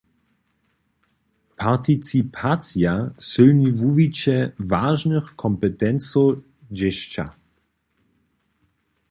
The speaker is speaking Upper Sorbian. Participacija sylni wuwiće wažnych kompetencow dźěsća.